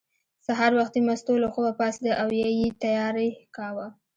سهار وختي مستو له خوبه پاڅېده او یې تیاری کاوه.